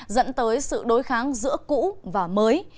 dẫn tới sự đối kháng giữa cũ và mới